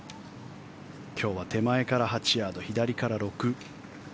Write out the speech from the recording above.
今日は手前から８ヤード左から６。